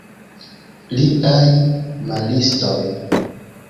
Liaj maristoj!